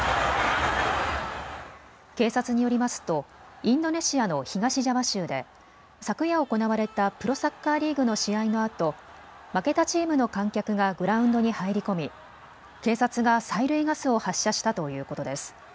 警察によりますとインドネシアの東ジャワ州で昨夜行われたプロサッカーリーグの試合のあと負けたチームの観客がグラウンドに入り込み警察が催涙ガスを発射したということです。